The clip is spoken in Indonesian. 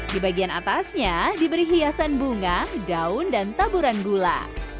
di bagian atasnya diberi hiasan bunga daun dan taburan gula